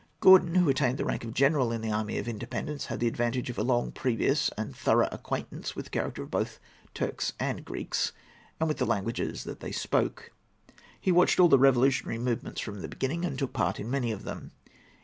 Gordon, who attained the rank of general in the army of independence, had the advantage of a long previous and thorough acquaintance with the character of both Turks and Greeks and with the languages that they spoke. He watched all the revolutionary movements from the beginning, and took part in many of them.